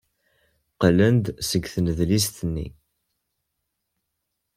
Qqlen-d seg tnedlist-nni.